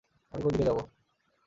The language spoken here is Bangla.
আমি কোন দিকে যাব।